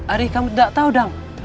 arih kamu tidak tahu dang